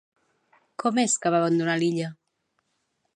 Com és que va abandonar l'illa?